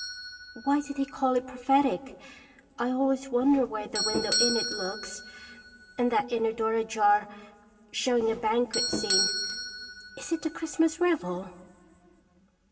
Why did he call it prophetic? I always wonder where the window in it looks, and that inner door ajar, showing a banquet scene. Is it a Christmas revel?"